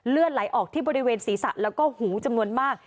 เลือดไหลออกที่บริเวณศีรษะแล้วก็หูจำนวนมาก